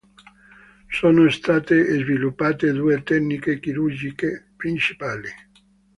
Sono state sviluppate due tecniche chirurgiche principali.